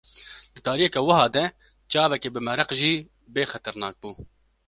Di tariyeke wiha de çavekî bimereq jî bê xeternak bû.